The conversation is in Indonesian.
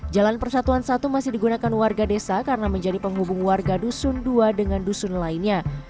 jalan persatuan satu masih digunakan warga desa karena menjadi penghubung warga dusun dua dengan dusun lainnya